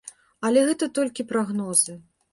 Але гэта толькі прагнозы.